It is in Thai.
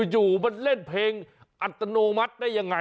อยู่มันเล่นเพลงอัตโนมัติได้ยังไง